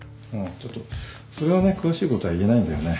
ちょっとそれはね詳しいことは言えないんだよね。